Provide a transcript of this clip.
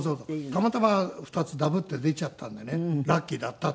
たまたま２つダブって出ちゃったんでねラッキーだったって。